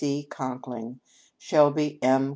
C. Conkling, Shelby M.